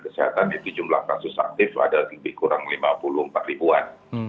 kesehatan itu jumlah kasus aktif ada lebih kurang lima puluh empat ribuan